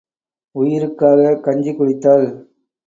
உயிருக்காக கஞ்சி குடித்தாள்.